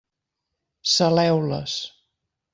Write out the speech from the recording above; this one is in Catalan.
Saleu-les.